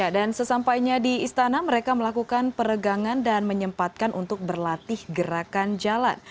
dan sesampainya di istana mereka melakukan peregangan dan menyempatkan untuk berlatih gerakan jalan